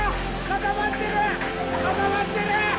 固まってる。